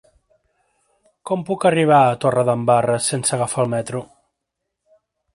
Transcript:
Com puc arribar a Torredembarra sense agafar el metro?